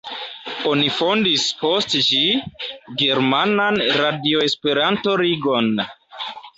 Oni fondis post ĝi „Germanan Radio-Esperanto-Ligon“.